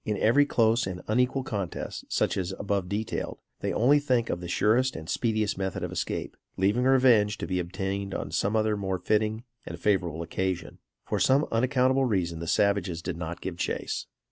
In every close and unequal contest, such as above detailed, they only think of the surest and speediest method of escape, leaving revenge to be obtained on some more fitting and favorable occasion. For some unaccountable reason the savages did not give chase.